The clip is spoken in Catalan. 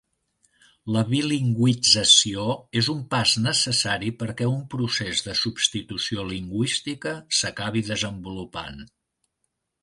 La bilingüització és un pas necessari perquè un procés de substitució lingüística s'acabi desenvolupant.